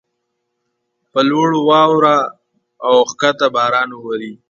پر لوړو واوره اوکښته باران اوري.